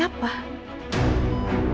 dan kepalanya jadi sakit